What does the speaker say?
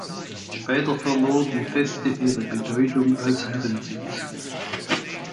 Später verlor die Feste ihre Bedeutung als Herrensitz.